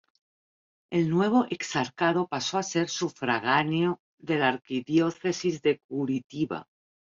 El nuevo exarcado pasó a ser sufragáneo de la arquidiócesis de Curitiba.